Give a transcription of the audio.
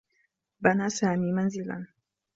بنى سامي منزلا.